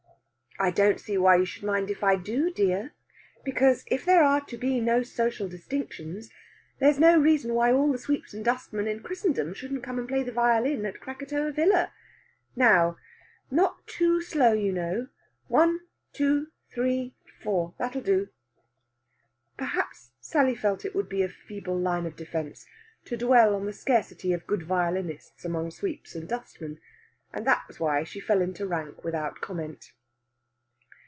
"I don't see why you should mind if I do, dear. Because, if there are to be no social distinctions, there's no reason why all the sweeps and dustmen in Christendom shouldn't come and play the violin at Krakatoa Villa.... Now, not too slow, you know. One two three four that'll do." Perhaps Sally felt it would be a feeble line of defence to dwell on the scarcity of good violinists among sweeps and dustmen, and that was why she fell into rank without comment.